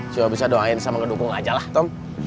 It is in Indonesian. coba bisa doain sama ngedukung ajalah tom